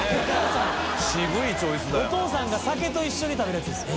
お父さんが酒と一緒に食べるやつです。